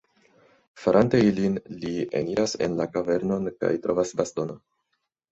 Farante ilin, li eniras en la kavernon kaj trovas bastono.